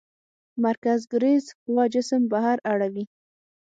مرکزګریز قوه جسم بهر اړوي.